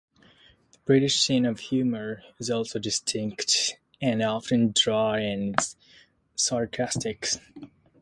The British sense of humor is also distinct and often dry and sarcastic.